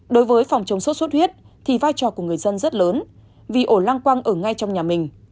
đối với phòng chống sốt xuất huyết thì vai trò của người dân rất lớn vì ổ lang quang ở ngay trong nhà mình